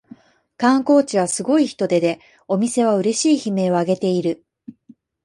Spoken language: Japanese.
観光地はすごい人出でお店はうれしい悲鳴をあげている